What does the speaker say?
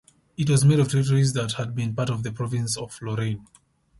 It was made of territories that had been part of the province of Lorraine.